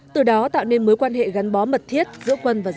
từ đó tạo nên mối quan hệ gắn bó mật thiết giữa quân và dân